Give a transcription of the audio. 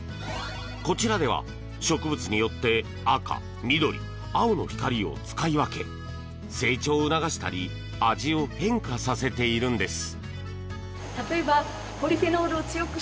こちらでは、植物によって赤、緑、青の光を使い分け成長を促したり味を変化させているんです。